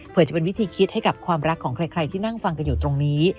เพื่อจะเป็นวิธีคิดให้กับความรักของใครที่นั่งฟังกันอยู่ตรงนี้